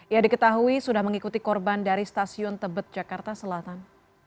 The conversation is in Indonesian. ia diketahui sudah mengikuti korban dari stasiun tebet jakarta selatan